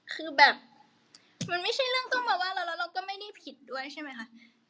คือแบบมันไม่ใช่เรื่องต้องมาว่าเราแล้วเราก็ไม่ได้ผิดด้วยใช่ไหมคะ